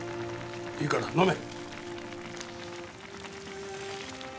いいから飲め。